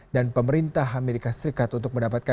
dan pemerintah amerika serikat